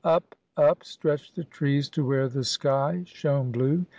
Up, up, stretched the trees to where the sky shone blue.